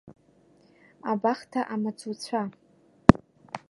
Абахҭа амаҵуцәа.